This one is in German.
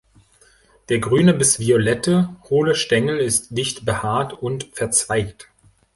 Der grüne bis violette, hohle Stängel ist dicht behaart und verzweigt.